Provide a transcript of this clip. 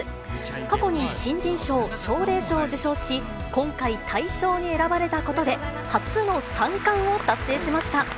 過去に新人賞、奨励賞を受賞し、今回、大賞に選ばれたことで、初の３冠を達成しました。